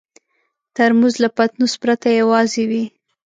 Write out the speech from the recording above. ترموز له پتنوس پرته یوازې وي.